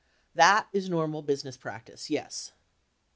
That is normal business practice, yes.